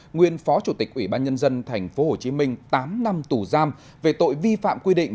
nguyên phó chủ tịch ủy ban nhân dân tp hcm tám năm tù giam về tội vi phạm quy định